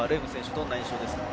どんな印象ですか。